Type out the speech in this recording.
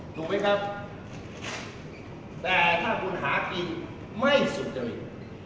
ถูกไหมครับแต่ถ้าคุณหากินไม่สุจริต